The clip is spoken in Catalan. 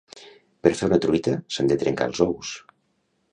Per fer una truita s'han de trencar els ous